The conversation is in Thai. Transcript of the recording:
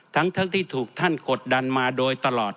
ทั้งที่ถูกท่านกดดันมาโดยตลอด